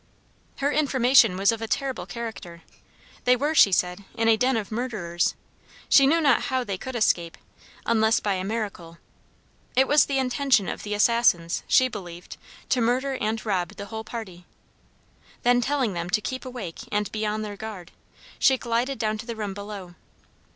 Her information was of a terrible character. They were, she said, in a den of murderers. She knew not how they could escape, unless by a miracle. It was the intention of the assassins, she believed, to murder and rob the whole party. Then, telling them to keep awake and be on their guard, she glided down to the room below.